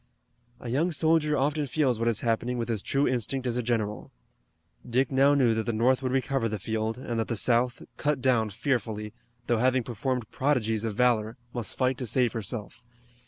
A young soldier often feels what is happening with as true instinct as a general. Dick now knew that the North would recover the field, and that the South, cut down fearfully, though having performed prodigies of valor, must fight to save herself.